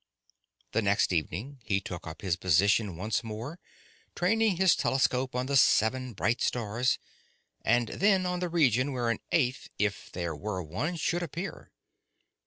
The next evening, he took up his position once more, training his telescope on the seven bright stars, and then on the region where an eighth, if there were one, should appear.